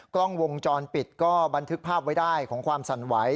กล้องวงจรปิดก็บันทึกภาพไว้ได้ของความสั่นไหว